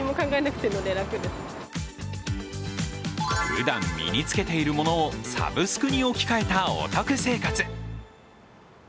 ふだん身につけているものをサブスクに置き換えたお得生活。